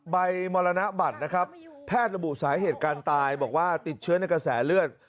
มรณบัตรนะครับแพทย์ระบุสาเหตุการตายบอกว่าติดเชื้อในกระแสเลือด